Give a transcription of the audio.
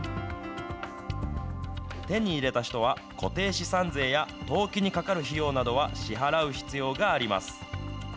手に入れた人は、固定資産税や登記にかかる費用などは支払う必要があります。